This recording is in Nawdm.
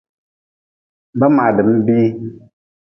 Ba maadm bihi.